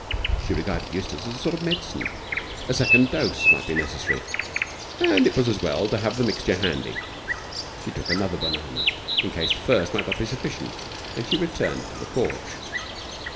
She regarded Eustace as a sort of medicine. A second dose might not be necessary, but it was as well to have the mixture handy. She took another banana, in case the first might not be sufficient. She then returned to the porch.